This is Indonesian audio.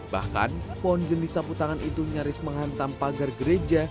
bahkan pohon jenis sapu tangan itu nyaris menghantam pagar gereja